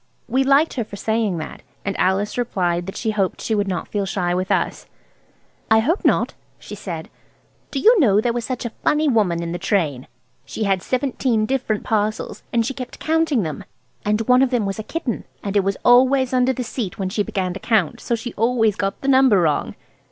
We liked her for saying that, and Alice replied that she hoped she would not feel shy with us. "I hope not," she said. "Do you know, there was such a funny woman in the train? She had seventeen different parcels, and she kept counting them, and one of them was a kitten, and it was always under the seat when she began to count, so she always got the number wrong."